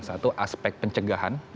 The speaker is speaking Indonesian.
satu aspek pencegahan